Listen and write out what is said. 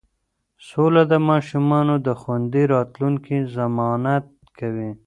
سوله د ماشومانو د خوندي راتلونکي ضمانت کوي.